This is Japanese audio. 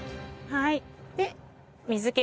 はい。